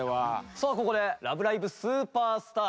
さあここで「ラブライブ！スーパースター！！」